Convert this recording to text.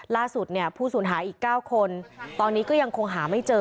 ล่าสุดเนี่ยผู้สูญหายอีก๙คนตอนนี้ก็ยังคงหาไม่เจอ